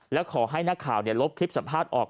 แล้วขอให้นักข่าวลบคลิปสัมภาษณ์ออก